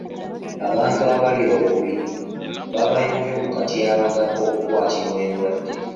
Abantu abalya obubi baba nnyo mu katyabaga k'okukwatibwa endwadde.